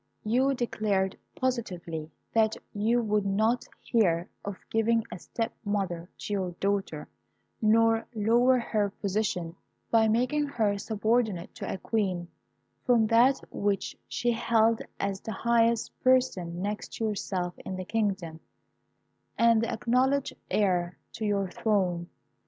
You declared positively that you would not hear of giving a step mother to your daughter, nor lower her position, by making her subordinate to a queen, from that which she held as the highest person next to yourself in the kingdom, and the acknowledged heir to your throne.